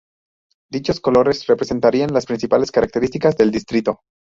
Dichos colores representarían las principales características del distrito.